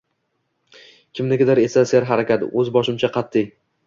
Kimnikidir esa serharakat, o‘zboshimcha, qatʼiy.